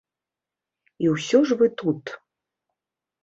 І ўсё ж вы тут.